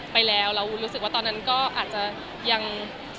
ไปแล้วแล้วรู้สึกว่าตอนนั้นก็อาจจะยัง